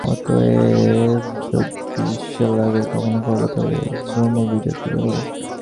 অতএব যদি ঈশ্বরলাভের কামনা কর, তবে ব্রহ্মবিদের পূজা কর।